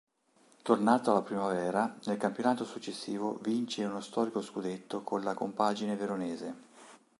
Tornato alla Primavera, nel campionato successivo vince uno storico Scudetto con la compagine veronese.